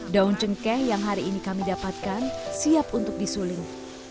daun cengkeh yang hari ini kami dapatkan siap untuk disuling